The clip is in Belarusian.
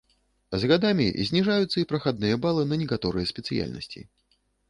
З гадамі зніжаюцца і прахадныя балы на некаторыя спецыяльнасці.